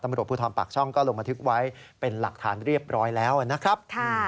ตำรวจภูทรปากช่องก็ลงบันทึกไว้เป็นหลักฐานเรียบร้อยแล้วนะครับ